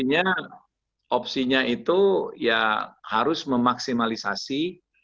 artinya opsinya itu ya harus memaksimalisasi